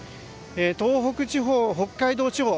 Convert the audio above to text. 東北地方、北海道地方